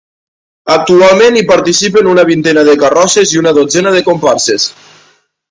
Actualment, hi participen una vintena de carrosses i una dotzena de comparses.